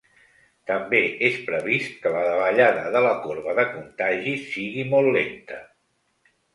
També és previst que la davallada de la corba de contagis sigui “molt lenta”.